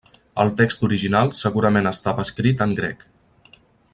El text original segurament estava escrit en grec.